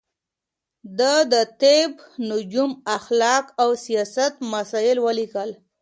ده د طب، نجوم، اخلاق او سياست مسايل وليکل